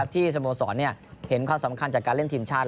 ที่สโมสรเห็นความสำคัญจากการเล่นทีมชาติ